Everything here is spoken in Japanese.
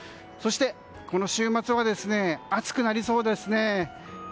そしてこの週末は暑くなりそうです。